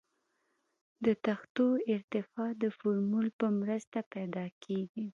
د تختو ارتفاع د فورمول په مرسته پیدا کیږي